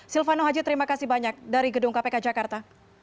silvano haji terima kasih banyak dari gedung kpk jakarta